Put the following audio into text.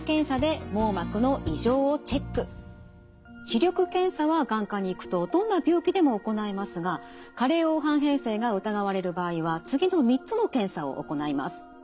視力検査は眼科に行くとどんな病気でも行いますが加齢黄斑変性が疑われる場合は次の３つの検査を行います。